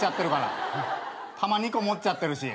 球２個持っちゃってるし。